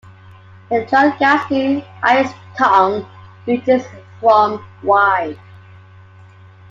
The Drygalski Ice Tongue ranges from wide.